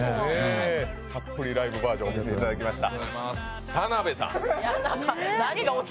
たっぷりライブバージョンを見せていただきました。